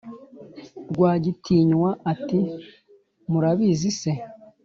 Rwagitinywa ati"murabizi se?